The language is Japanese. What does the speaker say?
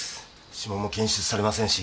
指紋も検出されませんし。